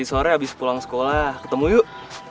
sore abis pulang sekolah ketemu yuk